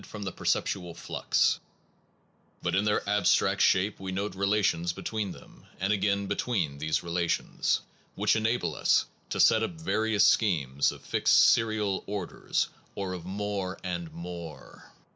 68 PERCEPT AND CONCEPT the perceptual flux; but in their abstract shape we note relations between them (and again be tween these relations) which enable us to set up various schemes of fixed serial orders or of more and more.